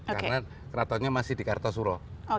karena keratonya masih di kartosuro